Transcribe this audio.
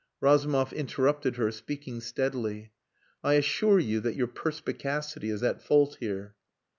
Razumov interrupted her, speaking steadily. "I assure you that your perspicacity is at fault here."